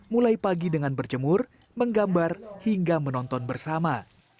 mulai pagi dengan berjemur menggambar hingga menonton bersama